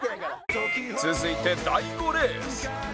続いて第５レース